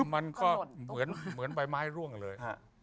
มันก็เหมือนใบไม้ร่วงเลย